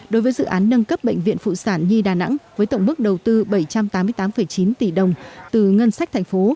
đối với dự án nâng cấp bệnh viện phụ sản nhi đà nẵng với tổng mức đầu tư bảy trăm tám mươi tám chín tỷ đồng từ ngân sách thành phố